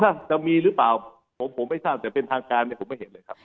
ถ้าจะมีหรือเปล่าผมผมไม่ทราบแต่เป็นทางการเนี่ยผมไม่เห็นเลยครับ